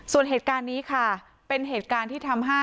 ส่วนเหตุการณ์นี้ค่ะเป็นเหตุการณ์ที่ทำให้